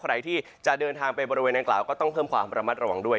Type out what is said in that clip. ใครที่จะเดินทางไปบริเวณนางกล่าวก็ต้องเพิ่มความระมัดระวังด้วย